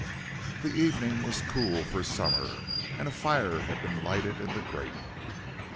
The evening was cool for summer, and a fire had been lighted in the grate.